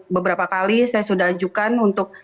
beberapa kali saya sudah ajukan untuk